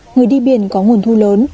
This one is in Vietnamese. người đi biển có nguồn thu lớn